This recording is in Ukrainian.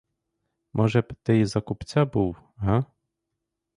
Може б, ти й за купця був, га?